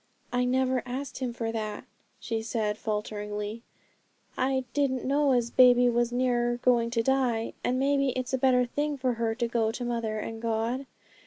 'I never asked Him for that,' she said falteringly; 'I didn't know as baby was near going to die, and maybe it's a better thing for her to go to mother and God.